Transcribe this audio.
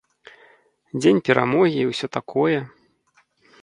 Дзень перамогі, і ўсё такое.